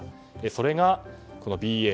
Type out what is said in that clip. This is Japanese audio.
それがＢＡ．